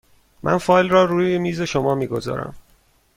من فایل را روی میز شما می گذارم.